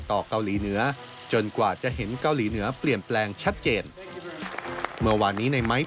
ต่อเกาหลีเหนือจนกว่าจะเห็นเปลี่ยนแปลงชัดเจน